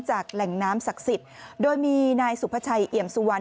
แหล่งน้ำศักดิ์สิทธิ์โดยมีนายสุภาชัยเอี่ยมสุวรรณ